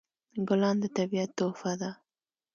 ګلان د طبیعت تحفه ده.